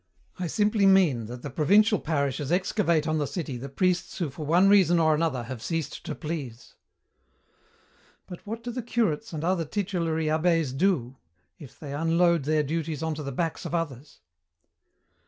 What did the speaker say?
I simply mean that the provincial parishes excavate on the city the priests who for one reason or another have ceased to please." "But what do the curates and other titulary abbés do, if they unload their duties onto the backs of others?"